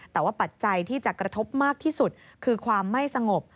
แต่ว่าปัจจัยที่จะกระทบมากที่สุดคือความไม่สงบ